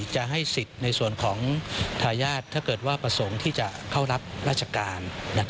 จะให้สิทธิ์ในส่วนของทายาทถ้าเกิดว่าประสงค์ที่จะเข้ารับราชการ